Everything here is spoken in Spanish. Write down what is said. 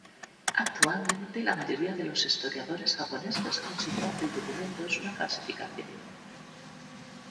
Actualmente, la mayoría de los historiadores japoneses consideran que el documento es una falsificación.